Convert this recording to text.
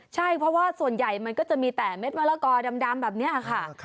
ใช่เพราะว่าส่วนใหญ่มันก็จะมีแต่เม็ดมะละกอดำแบบนี้ค่ะ